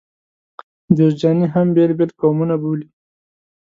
جوزجاني هم بېل بېل قومونه بولي.